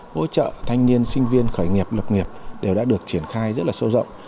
hỗ trợ thanh niên sinh viên khởi nghiệp lập nghiệp đều đã được triển khai rất là sâu rộng